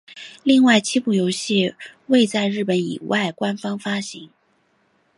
另外七部游戏未在日本以外官方发行。